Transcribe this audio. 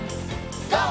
ＧＯ！